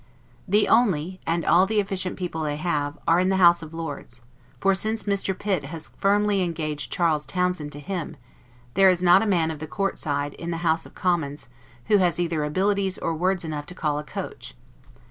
The only, and all the efficient people they have, are in the House of Lords: for since Mr. Pitt has firmly engaged Charles Townshend to him, there is not a man of the court side, in the House of Commons, who has either abilities or words enough to call a coach.